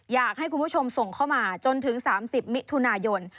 อยากให้คุณผู้ชมส่งเข้ามาจนถึง๓๐มิถุนายน